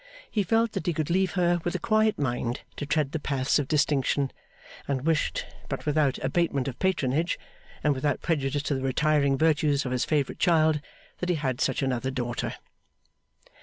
He felt that he could leave her with a quiet mind to tread the paths of distinction, and wished but without abatement of patronage, and without prejudice to the retiring virtues of his favourite child that he had such another daughter.